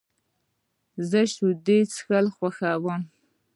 زه د شیدو څښل خوښوم.